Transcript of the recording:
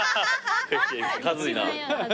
恥ずいな。